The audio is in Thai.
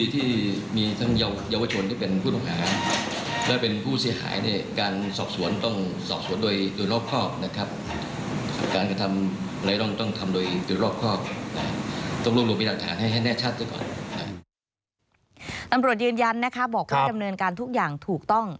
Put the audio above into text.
ตำรวจยืนยันบอกว่าดำเนินการทุกอย่างถูกต้อง